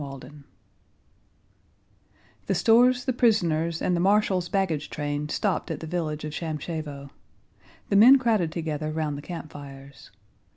CHAPTER XV The stores, the prisoners, and the marshal's baggage train stopped at the village of Shámshevo. The men crowded together round the campfires.